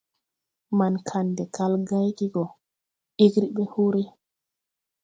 Man Kande kal gayge go, ɛgre be hore.